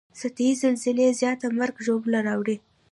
سطحي زلزلې زیاته مرګ ژوبله اړوي